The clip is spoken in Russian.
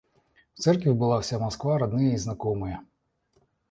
В церкви была вся Москва, родные и знакомые.